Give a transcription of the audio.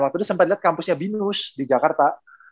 waktu itu sempet liat kampusnya binus di jakarta